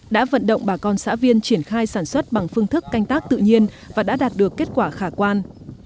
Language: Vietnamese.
đã vận động bà con xã viên triển khai sản xuất bằng phương thức canh tác tự nhiên và đã đạt được kết quả khả quan